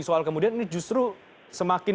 soal kemudian ini justru semakin